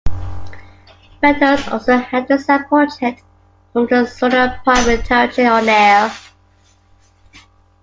Meadows also had a side project, forming Sonora Pine with Tara Jane O'Neill.